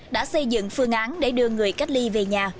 đã xây dựng phương án để đưa người cách ly về nhà